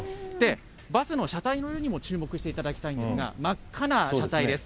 バスの車体にも注目していただきたいんですが、真っ赤な車体です。